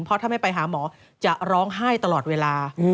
เพราะถ้าไม่ไปหาหมอจะร้องไห้ตลอดเวลา